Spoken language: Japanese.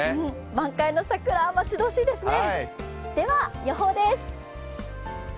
満開の桜、待ち遠しいですね。